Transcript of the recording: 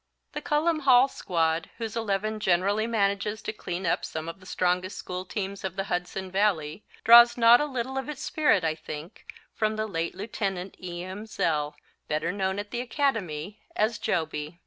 The Cullom Hall squad, whose eleven generally manages to clean up some of the strongest school teams of the Hudson Valley, draws not a little of its spirit, I think, from the late Lieutenant E. M. Zell, better known at the Academy as "Jobey."